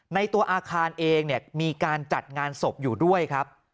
ในตัวอาคารเองเนี่ยมีการจัดงานศพอยู่ด้วยครับ